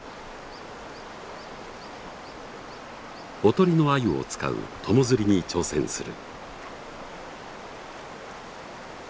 おとりのアユを使う友釣りに挑戦する。